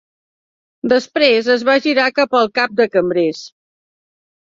Després es va girar cap al cap de cambrers.